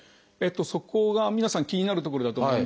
そこが皆さん気になるところだと思うんですよ。